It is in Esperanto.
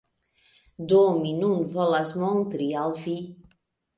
Do, mi nun volas montri al vi